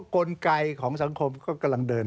กลไกของสังคมก็กำลังเดิน